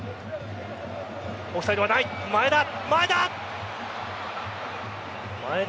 オフサイドはない、前田。